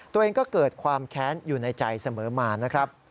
ตัวเองก็เกิดความแค้นอยู่ในใจเสมอมานะครับ